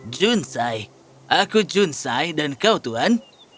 junsai aku junsai dan kau tuhan